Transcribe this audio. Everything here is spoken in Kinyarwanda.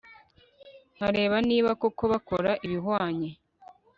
nkareba niba koko bakora ibihwanye